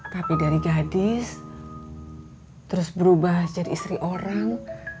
tapi dari gadis terus berubah jadi istri orang